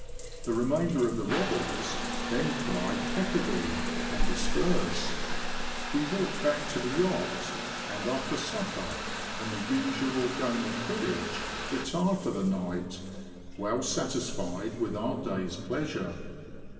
The remainder of the rebels then cried peccavi^ and dispersed. We walk back to the yacht, and after supper, and the usual game of cribbage, retire for the night, well satisfied with our day's pleasure.